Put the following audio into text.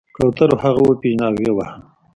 کوترو هغه وپیژند او ویې واهه.